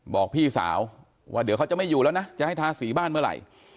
บอกพี่สาวว่าเดี๋ยวเขาจะไม่อยู่แล้วนะจะให้ทาสีบ้านเมื่อไหร่